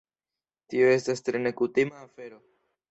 Tio estas tre nekutima afero.